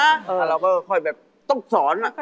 แต่เราก็พอดีแบบว่าต้องสอนนะ